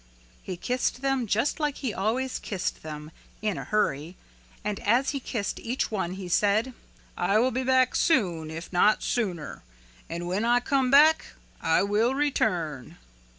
He kissed them just like he always kissed them in a hurry and as he kissed each one he said, "I will be back soon if not sooner and when I come back I will return."